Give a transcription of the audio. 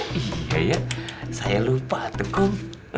oh iya ya saya lupa tuh kum